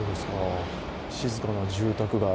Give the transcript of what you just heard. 静かな住宅街。